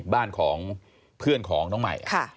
บ้านของเพื่อนของน้องใหม่